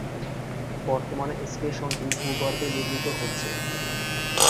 বর্তমানে স্টেশনটি ভূগর্ভে নির্মিত হচ্ছে।